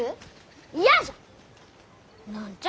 嫌じゃ！